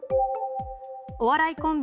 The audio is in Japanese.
お笑いコンビ